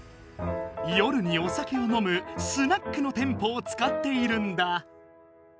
夜におさけを飲むスナックの店舗をつかっているんだ。